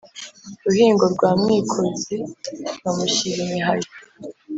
ruhingo rwa mwikozi nkamushyira imihayo.